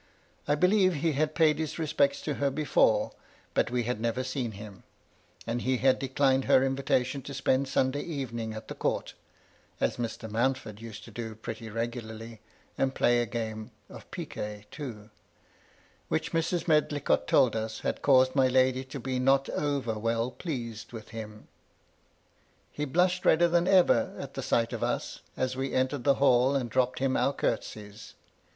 I believe he had paid his respects to her before, but we had never seen him ; and he had declined her invitation to spend Sunday evening at the Court (as Mr. Mountford used to do pretty regularly, — and play a game of picquet too —), which, Mrs. Medlicott told us, had caused my lady to be not over well pleased with him. He blushed redder than ever at the sight of us, as we entered the haU, and dropped him our curtsies.